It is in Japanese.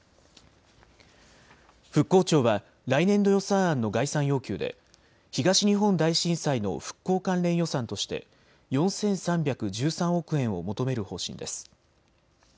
復興庁は来年度予算案の概算要求で東日本大震災の復興関連予算として４３１３億円を求める方針です。